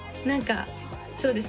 そうですね